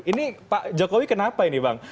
ini pak jokowi kenapa ini bang